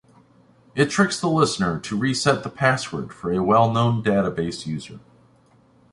It tricks the listener to reset the password for a well known database user.